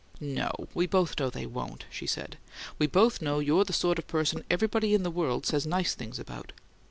"No. We both know they won't," she said. "We both know you're the sort of person everybody in the world says nice things about."